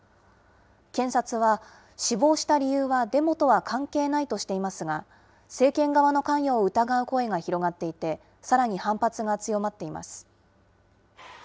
検察は死亡した理由はデモとは関係ないとしていますが、政権側の関与を疑う声が広がっていて、さらに反発が強まっています。